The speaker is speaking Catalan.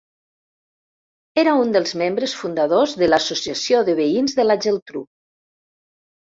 Era un dels membres fundadors de l'Associació de Veïns de la Geltrú.